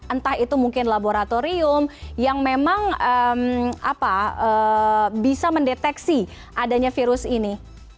entah itu mungkin laboratorium yang memang bisa mendeteksi adanya virus ini